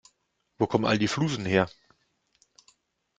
Wo kommen all die Flusen her?